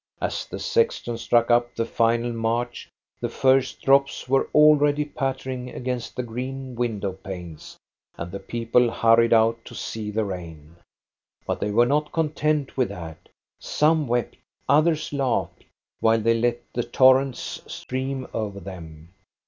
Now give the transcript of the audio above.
As the sexton struck up the final march, the first drops were already pattering against the green window panes, and the people hurried out to see the rain. But they were not content with that: some wept, others laughed, while they let the torrents stream over them.